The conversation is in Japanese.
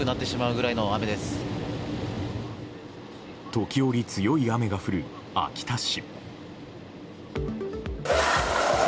時折、強い雨が降る秋田市。